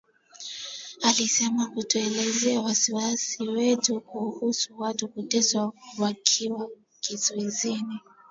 Alisema tulielezea wasiwasi wetu kuhusu watu kuteswa wakiwa kizuizini